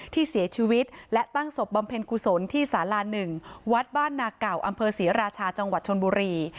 ที่เสียชีวิตและตั้งศพบำเพ็ญกุศลที่สารา๑วัดบ้านนาเก่าอำเภอศรีราชาจังหวัดชนบุรี